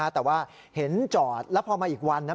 แต่ว่าเห็นจอดแล้วพอมาอีกวันนะ